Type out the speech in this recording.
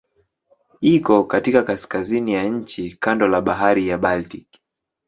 Iko katika kaskazini ya nchi kando la Bahari ya Baltiki.